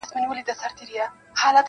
د چا له کوره وشړمه سیوری د شیطان-